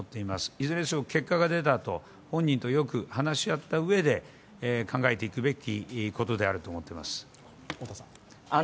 いずれにせよ結果が出たあと本人とよく話し合ったうえで考えていくべきことであると思っています。